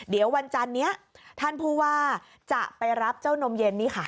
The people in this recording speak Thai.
เดี๋ยววันจันนี้ท่านผู้ว่าจะไปรับเจ้านมเย็นนี่ค่ะ